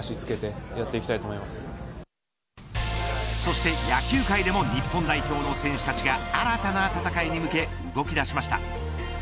そして野球界でも日本代表の選手たちが新たな戦いに向け動き出しました。